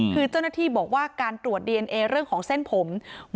คือเจ้าหน้าที่บอกว่าการตรวจดีเอนเอเรื่องของเส้นผม